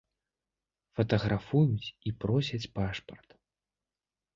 Фатаграфуюць і просяць пашпарт.